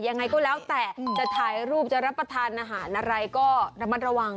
ยังไงก็แล้วแต่จะถ่ายรูปจะรับประทานอาหารอะไรก็ระมัดระวัง